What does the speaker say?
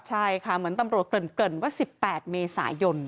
ใช่ค่ะเหมือนตำรวจเกริ่นว่า๑๘เมษายน